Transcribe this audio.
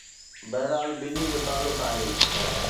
بهرحال، ٻنهي جو تعلق آهي